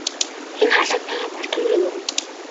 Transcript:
Энэ харлаад байгаа бол түймрийн нурам.